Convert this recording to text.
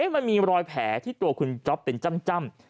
มันมีรอยแผลที่ตัวคุณจ๊อปเป็นจ้ำ